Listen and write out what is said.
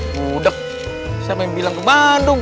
budak siapa yang bilang ke bandung